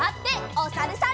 おさるさん。